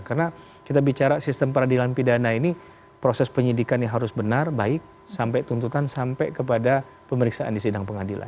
karena kita bicara sistem peradilan pidana ini proses penyidikan yang harus benar baik sampai tuntutan sampai kepada pemeriksaan di sindang pengadilan